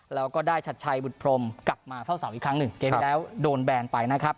แล้วก็ได้ชัดชัยบุตพรมกลับมาเฝ้าเสาอีกครั้งหนึ่งเกมที่แล้วโดนแบนไปนะครับ